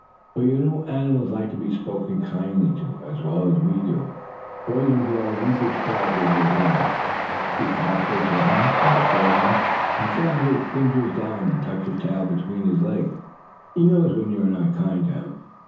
For you know animals like to be spoken kindly to, as well we do, boys and girls. You just try it with your dog. Speak harshly to him, or scold him, and see how he cringes down, and tucks his tail between his legs. He knows when you are not kind to him.